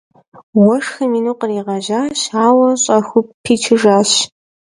Уэшхым ину къригъэжьащ, ауэ щӏэхыу пичыжащ.